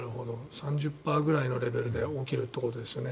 ３０％ぐらいのレベルで起きるということですね。